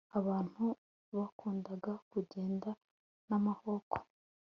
abantu bakundaga kugenda n'amaboko